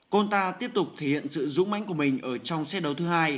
conta tiếp tục thể hiện sự dũng mánh của mình ở trong xét đấu thứ hai